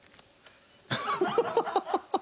ハハハハ！